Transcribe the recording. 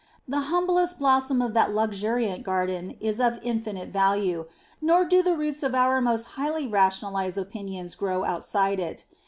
The humblest blossom of that luxuriant garden is of infinite value, nor do the roots of our most highly rationalised opinions grow outside it.